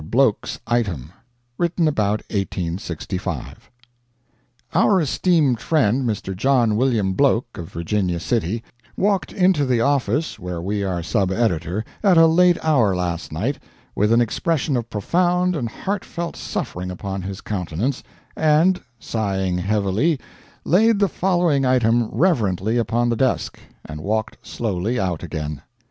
BLOKE'S ITEM [Written about 1865.] Our esteemed friend, Mr. John William Bloke, of Virginia City, walked into the office where we are sub editor at a late hour last night, with an expression of profound and heartfelt suffering upon his countenance, and, sighing heavily, laid the following item reverently upon the desk, and walked slowly out again.